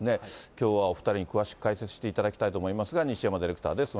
きょうはお２人に詳しく解説していただきたいと思いますが、西山ディレクターです。